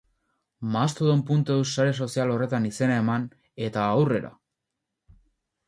Mastodon.eus sare sozial horretan izena eman, eta aurrera.